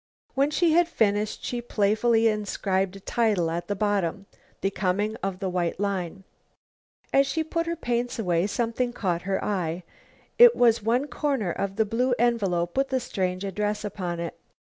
When she had finished, she playfully inscribed a title at the bottom: "The Coming of the White Line." As she put her paints away, something caught her eye. It was one corner of the blue envelope with the strange address upon it.